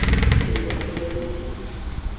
Приносят записку.